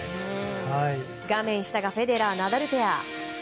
画面下がフェデラー、ナダルペア。